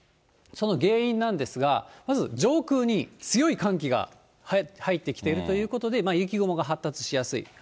その原因なんですが、まず上空に強い寒気が入ってきているということで、雪雲が発達しやすい。